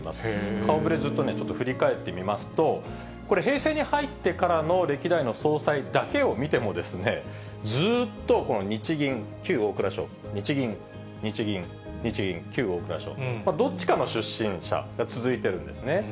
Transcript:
顔ぶれ、ずっと振り返ってみますと、これ、平成に入ってからの、歴代の総裁だけを見ても、ずっと日銀、旧大蔵省、日銀、日銀、日銀、旧大蔵省、どっちかの出身者が続いてるんですね。